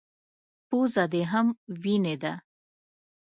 _پزه دې هم وينې ده.